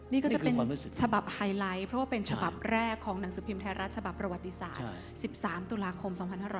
นี่ก็จะเป็นฉบับไฮไลท์เพราะว่าเป็นฉบับแรกของหนังสือพิมพ์ไทยรัฐฉบับประวัติศาสตร์๑๓ตุลาคม๒๕๖๐